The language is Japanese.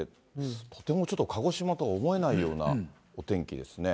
とてもちょっと、鹿児島とは思えないようなお天気ですね。